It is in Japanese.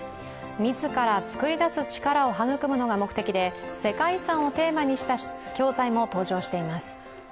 自ら作り出す力を育むのが目的で世界遺産をテーマにした教材も登場しています。